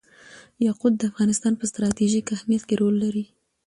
یاقوت د افغانستان په ستراتیژیک اهمیت کې رول لري.